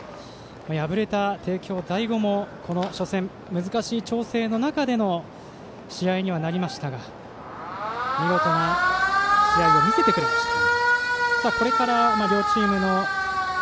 敗れた帝京第五もこの初戦難しい調整の中での試合にはなりましたが見事な試合を見せてくれました。